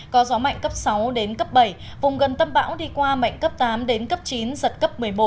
có gió mạnh cấp sáu đến cấp bảy vùng gần tâm bão đi qua mạnh cấp tám đến cấp chín giật cấp một mươi một